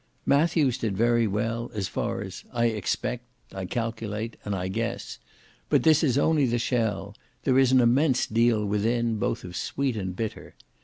Matthews did very well, as far as "I expect," "I calculate," and "I guess;" but this is only the shell; there is an immense deal within, both of sweet and bitter.